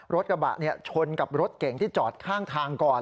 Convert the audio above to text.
รถกระบะชนกับรถเก่งที่จอดข้างทางก่อน